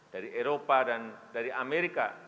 dari eropa dan dari amerika